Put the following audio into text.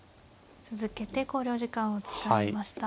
続けて考慮時間を使いました。